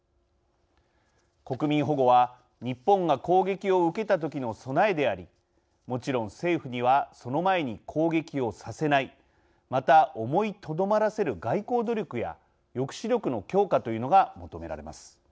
国民保護は、日本が攻撃を受けた時の備えでありもちろん政府には、その前に攻撃をさせないまた思いとどまらせる外交努力や抑止力の強化というのが求められます。